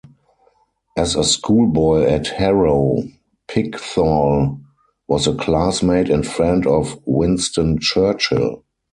As a schoolboy at Harrow Pickthall was a classmate and friend of Winston Churchill.